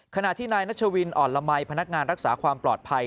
ขณะที่นายนัชวินอ่อนละมัยพนักงานรักษาความปลอดภัย